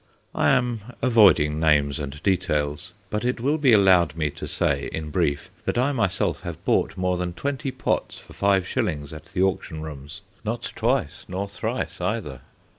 I am avoiding names and details, but it will be allowed me to say, in brief, that I myself have bought more than twenty pots for five shillings at the auction rooms, not twice nor thrice either.